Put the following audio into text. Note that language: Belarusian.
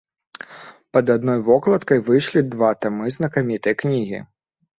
Пад адной вокладкай выйшлі два тамы знакамітай кнігі.